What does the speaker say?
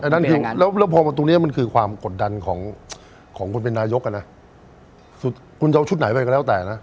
จริงแล้วพอตรงนี้มันคือความกดดันของคนเป็นนายกอ่ะนะสุดคุณจะเอาชุดไหนไปก็แล้วแต่นะ